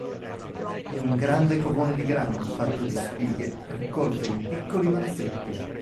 È un grande covone di grano, fatto di spighe raccolte in piccoli mazzetti.